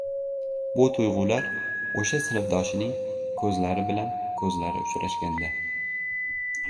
Bu tuyg‘ular o‘sha sinfdoshining ko‘zlari bilan ko‘zlari uchrashganda…